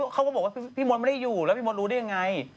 เขาก็บอกว่าพี่มดไม่ได้อยู่แล้วพี่มดรู้ได้ยังไง